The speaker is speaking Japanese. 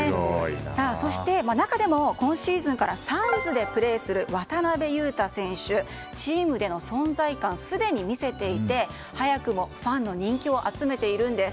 そして、中でも今シーズンからサンズでプレーする渡邊雄太選手がチームでの存在感をすでに見せていて、早くもファンの人気を集めているんです。